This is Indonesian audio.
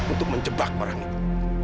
untuk menjebak orang itu